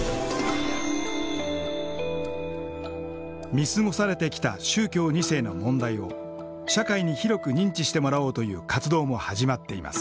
見過ごされてきた宗教２世の問題を社会に広く認知してもらおうという活動も始まっています。